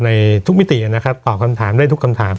ในทุกมิตินะครับตอบคำถามได้ทุกคำถาม